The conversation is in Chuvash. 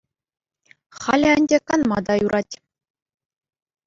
Халӗ ӗнтӗ канма та юрать.